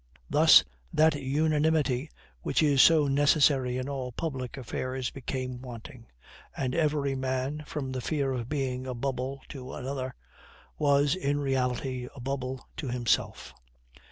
Thus that unanimity which is so necessary in all public affairs became wanting, and every man, from the fear of being a bubble to another, was, in reality, a bubble to himself.